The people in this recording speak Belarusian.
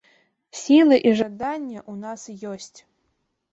Сілы і жаданне ў нас ёсць.